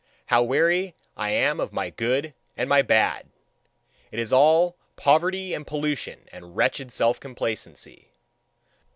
How weary I am of my good and my bad! It is all poverty and pollution and wretched self complacency!"